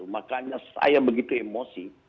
makanya saya begitu emosi